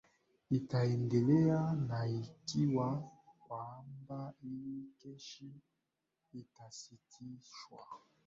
itaendelea na ikiwa kwamba hii kesi itasitishwa